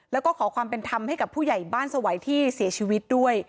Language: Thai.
แล้วก็ขอความเป็นธรรมให้กับผู้ใหญ่บ้านสวัยที่เสียชีวิตด้วย